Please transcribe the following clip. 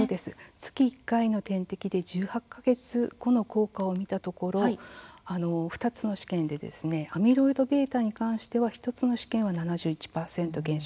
月１回の点滴で１８か月後の効果を見たところ２つの試験でアミロイドβに関しては１つの試験は７１％減少